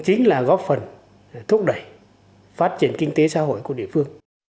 chính là góp phần thúc đẩy phát triển kinh tế xã hội của địa phương